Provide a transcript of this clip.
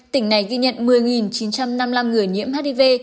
tỉnh này ghi nhận một mươi chín trăm năm mươi năm người nhiễm hiv